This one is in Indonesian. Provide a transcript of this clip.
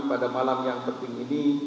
pada malam yang penting ini